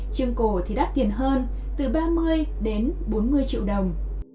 chiêm cổ thì đắt tiền hơn từ ba mươi đến bốn mươi triệu đồng